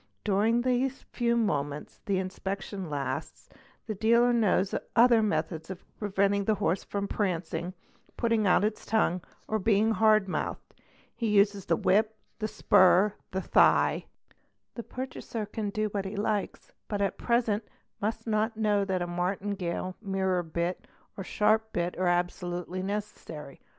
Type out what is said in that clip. During the few moments the inspection lasts the dealer knows her methods of preventing the horse from prancing, putting out its ngue, or being hard mouthed ; he uses the whip, the spur, the thigh; the purchaser can do what he likes, but at present must not know 'that a martingale, mirror bit, or sharp bit are absolutely necessary.